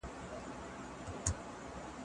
کېدای سي ونه وچه سي.